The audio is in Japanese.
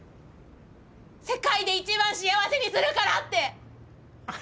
「世界で一番幸せにするから」って！